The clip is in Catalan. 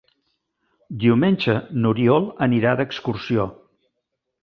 Diumenge n'Oriol anirà d'excursió.